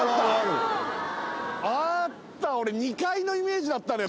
俺２階のイメージだったのよ。